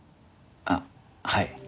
あっはい。